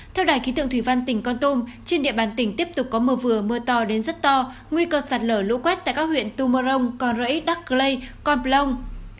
theo đài ký tượng thủy văn tỉnh con tùm trên địa bàn tỉnh tiếp tục có mưa vừa mưa to đến rất to nguy cơ sạt lở lũ quét tại các huyện tùm mơ rông con rẫy đắc lây con plông